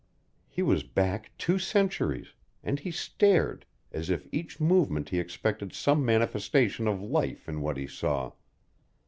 He was back two centuries, and he stared, as if each moment he expected some manifestation of life in what he saw.